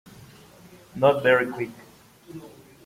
Not very Quick.